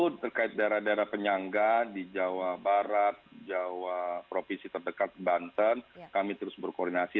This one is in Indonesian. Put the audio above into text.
tentu terkait daerah daerah penyangga di jawa barat jawa provinsi terdekat banten kami terus berkoordinasi